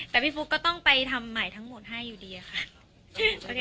แต่พี่ฟุ๊กก็ต้องไปทำใหม่ทั้งหมดให้อยู่ดีค่ะ